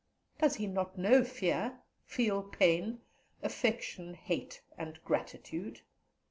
Does he not know fear, feel pain, affection, hate, and gratitude?